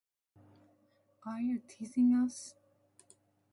Are you teasing us?